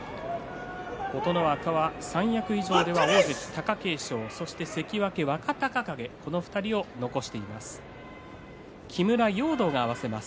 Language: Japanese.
琴ノ若は三役以上では大関貴景勝そして関脇若隆景この２人を残しています。